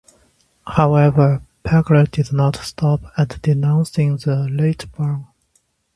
However, Pegler did not stop at denouncing the late Broun.